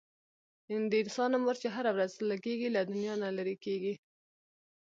د انسان عمر چې هره ورځ لږیږي، له دنیا نه لیري کیږي